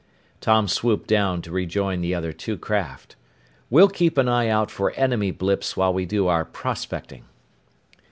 Tom swooped down to rejoin the other two craft. "We'll keep an eye out for enemy blips while we do our prospecting."